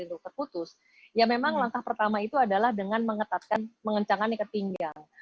nah langkah pertama adalah dengan mengecangkan ikat pinggang